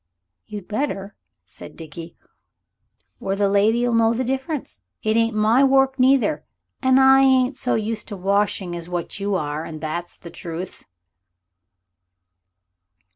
"You'd better," said Dickie, "or the lady'll know the difference. It ain't my work neither, and I ain't so used to washing as what you are, and that's the truth."